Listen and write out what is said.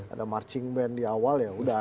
ada marching band di awal ya udah